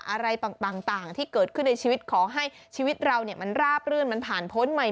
อะไรต่างที่เกิดขึ้นในชีวิตขอให้ชีวิตเรามันราบรื่นมันผ่านพ้นใหม่